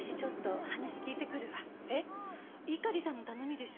猪狩さんの頼みでしょ？